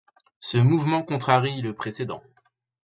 Ce mouvement contrarie le précédent.